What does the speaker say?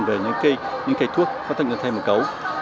về những cây thuốc có thêm một cấu